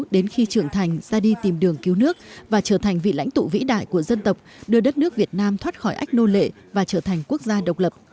đến khi trưởng thành ra đi tìm đường cứu nước và trở thành vị lãnh tụ vĩ đại của dân tộc đưa đất nước việt nam thoát khỏi ách nô lệ và trở thành quốc gia độc lập